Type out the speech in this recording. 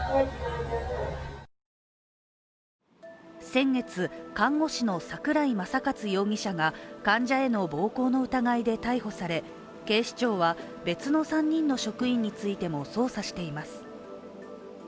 先月、看護師の桜井正勝容疑者が患者への暴行の疑いで逮捕され警視庁は別の３人の職員についても捜査しています。